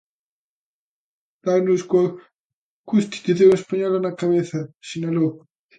"Dannos coa Constitución española na cabeza", sinalou.